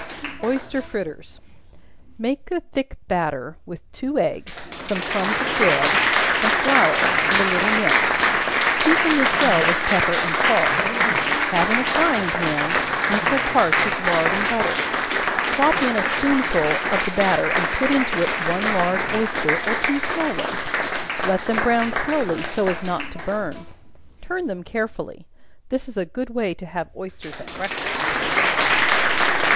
Oyster Fritters. Make a thick batter with two eggs, some crumbs of bread and flour, and a little milk; season this well with pepper and salt; have in a frying pan equal parts of lard and butter; drop in a spoonful of the batter and put into it one large oyster, or two small ones, let them brown slowly, so as not to burn; turn them carefully. This is a good way to have oysters at breakfast.